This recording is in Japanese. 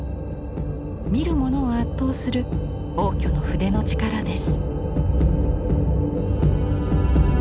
見る者を圧倒する応挙の筆の力です。